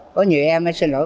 có nhiều em ấy xin lỗi